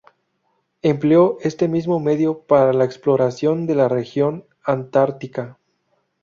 Empleó este mismo medio para la exploración de la región antártica.